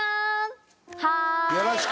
よろしく！